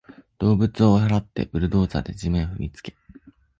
動物を追い払って、ブルドーザーで地面を踏みつけ